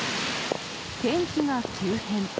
天気が急変。